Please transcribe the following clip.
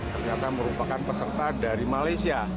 ternyata merupakan peserta dari malaysia